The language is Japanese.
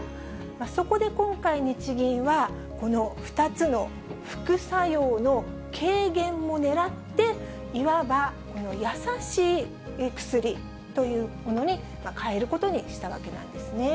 そこで今回、日銀は、この２つの副作用の軽減もねらって、いわばやさしい薬というものに変えることにしたわけなんですね。